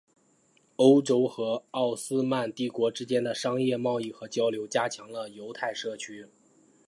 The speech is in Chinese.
欧洲和奥斯曼帝国之间的商业贸易和交流加强了犹太社区。